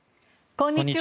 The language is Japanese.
こんにちは。